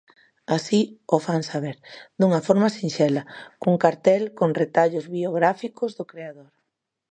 Así o fan saber, dunha forma sinxela, cun cartel con retallos biográficos do creador.